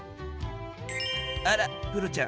あらプロちゃん